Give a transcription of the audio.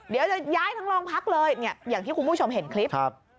เดี๋ยวจะย้ายทั้งโรงพักเลยเนี่ยอย่างที่คุณผู้ชมเห็นคลิป